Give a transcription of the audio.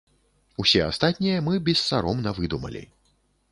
Усе астатнія мы бессаромна выдумалі.